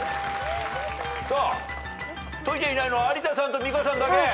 さあ解いていないのは有田さんと美香さんだけ。